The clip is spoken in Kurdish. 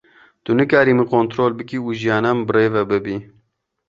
Tu nikarî min kontrol bikî û jiyana min bi rê ve bibî.